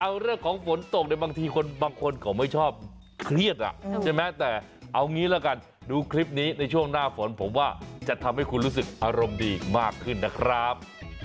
เอาเรื่องของฝนตกในบางทีคนบางคนเขาไม่ชอบเครียดอ่ะใช่ไหมแต่เอางี้ละกันดูคลิปนี้ในช่วงหน้าฝนผมว่าจะทำให้คุณรู้สึกอารมณ์ดีมากขึ้นนะครับ